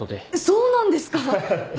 そうなんですか⁉アハハ。